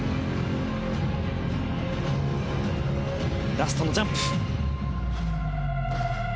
ラストのジャンプ。